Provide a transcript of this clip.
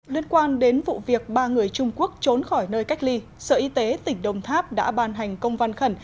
liên quan đến vụ việc ba người trung quốc trốn khỏi nơi cách ly sở y tế tỉnh đồng tháp đã ban hành công văn khẩn